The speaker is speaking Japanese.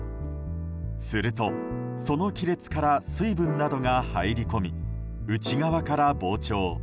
すると、その亀裂から水分などが入り込み内側から膨張。